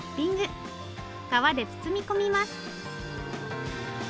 皮で包み込みます